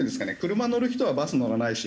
車乗る人はバス乗らないし